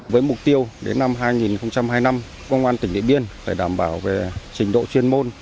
với mục tiêu đến năm hai nghìn hai mươi năm công an tỉnh điện biên phải đảm bảo về trình độ chuyên môn